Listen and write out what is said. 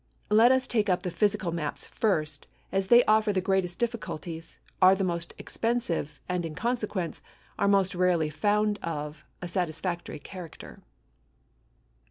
Let us take up the physical maps first, as they offer the greatest difficulties, are the most expensive, and in consequence, are most rarely found of a satisfactory character.